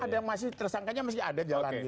atau ada yang masih tersangkanya masih ada jalan gitu